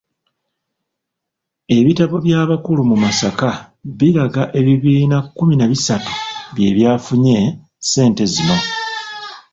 Ebitabo by'abakulu mu Masaka biraga ebibiina kkumi na bisatu bye byafunye ssente zino